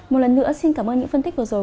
một lần nữa xin cảm ơn những phân tích vừa rồi